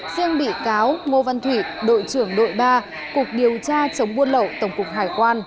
riêng bị cáo ngô văn thủy đội trưởng đội ba cục điều tra chống buôn lậu tổng cục hải quan